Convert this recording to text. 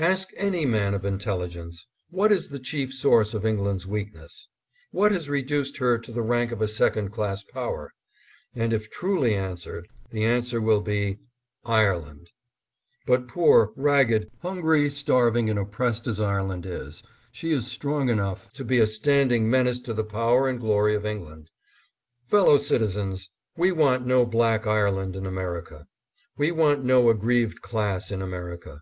Ask any man of intelligence, " What is the chief source of England's weakness ? What has reduced her to the rank of a second class power?" and if truly answered, the an swer will be " Ireland !" But poor, ragged, hungry, 662 ADDRESS AT LINCOLN HALL. starving, and oppressed as Ireland is, she is strong enough to be a standing menace to the power and glory of England. Fellow citizens ! We want no black Ireland in Amer ica. We want no aggrieved class in America.